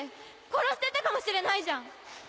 殺してたかもしれないじゃん！